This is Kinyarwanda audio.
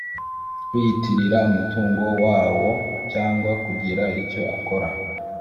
kwiyitirira umutungo wawo cyangwa kugira icyo akora